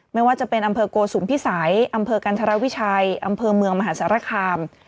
ไม่ว่าจะเป็นอำเภอโกสุมพิสัยอำเภอกันธรวิชัยอำเภอเมืองมหาสารคาม